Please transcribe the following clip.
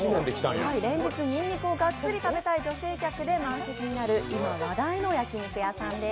連日、にんにくをがっつり食べたい女性客で満席になる今、話題の焼肉屋さんです。